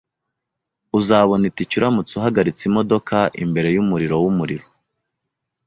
Uzabona itike uramutse uhagaritse imodoka imbere yumuriro wumuriro.